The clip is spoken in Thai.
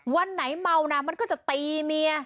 วันไหนเมานะมันก็จะตีเมีย